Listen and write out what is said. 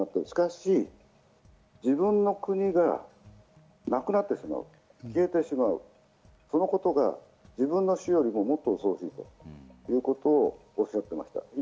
しかし、自分の国がなくなってしまう、消えてしまう、そのことが自分の死よりももっと恐ろしいということをおっしゃっていました。